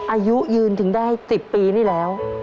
อายุยืนถึงได้๑๐ปีนี่แล้ว